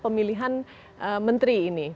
pemilihan menteri ini